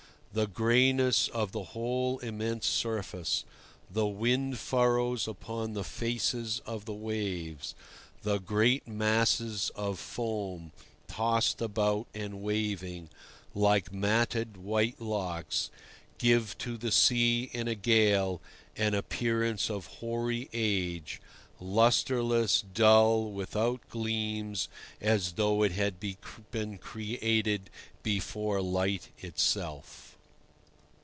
The grayness of the whole immense surface, the wind furrows upon the faces of the waves, the great masses of foam, tossed about and waving, like matted white locks, give to the sea in a gale an appearance of hoary age, lustreless, dull, without gleams, as though it had been created before light itself.